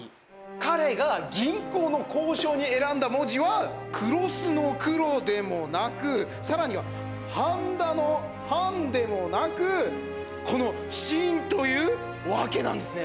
彼が銀行の行章に選んだ文字は黒須の「黒」でもなく繁田の「繁」でもなくこの「信」というわけなんですね。